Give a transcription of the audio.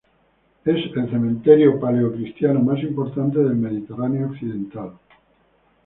Es el cementerio paleocristiano más importante del Mediterráneo Occidental.